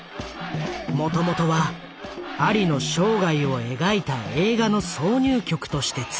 もともとはアリの生涯を描いた映画の挿入曲として作られた。